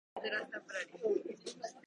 今日はバイトだ。